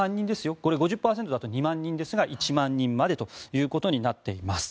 これ、５０％だと２万人ですが１万人までということになっています。